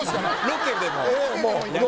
ロケでも。